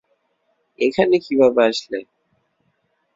এখানে কীভাবে আসলে?